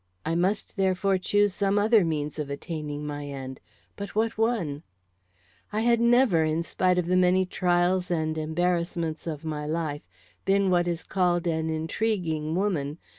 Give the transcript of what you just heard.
I must, therefore, choose some other means of attaining my end; but what one? I had never, in spite of the many trials and embarrassments of my life, been what is called an intriguing woman.